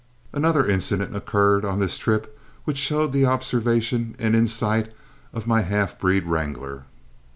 Another incident occurred on this trip which showed the observation and insight of my half breed wrangler.